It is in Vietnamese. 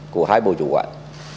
của hai bộ chủ quản